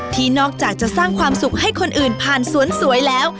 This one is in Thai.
ที่นอกจากจะสร้างความสุขให้คนอื่นผ่านสวนสวยแล้ว